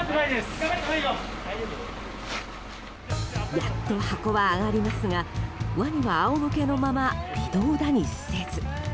やっと箱は上がりますがワニは仰向けのまま微動だにせず。